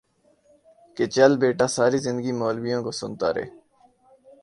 کہ چل بیٹا ساری زندگی مولبیوں کو سنتا رہ